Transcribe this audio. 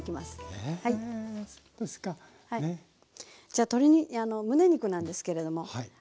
じゃあむね肉なんですけれども。